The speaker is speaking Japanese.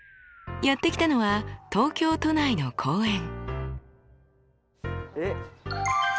やって来たのは東京都内の公園。